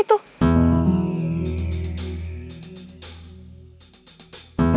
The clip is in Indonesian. itu harimau yang tadi